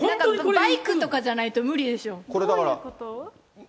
バイクとかじゃないと無理でしょう。